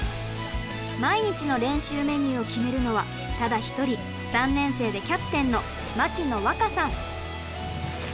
毎日の練習メニューを決めるのはただ一人３年生でキャプテンの牧野和香さん。